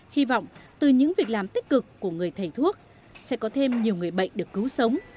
hy vọng từ những việc làm tích cực của người thầy thuốc sẽ có thêm nhiều người bệnh được cứu sống